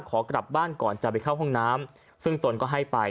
ขอกลับบ้านก่อนจะไปเข้าห้องน้ำซึ่งตนก็ให้ไป